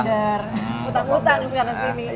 founder utang utang sekarang ini